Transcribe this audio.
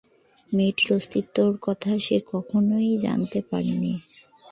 মেয়েটির অস্তিত্বের কথা সে কখনোই জানতে পারেনি।